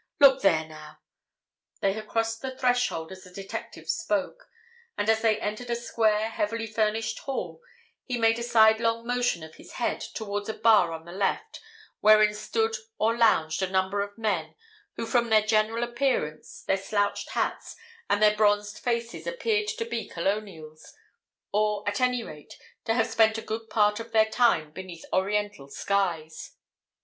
Look there, now!" They had crossed the threshold as the detective spoke, and as they entered a square, heavily furnished hall, he made a sidelong motion of his head towards a bar on the left, wherein stood or lounged a number of men who from their general appearance, their slouched hats, and their bronzed faces appeared to be Colonials, or at any rate to have spent a good part of their time beneath Oriental skies.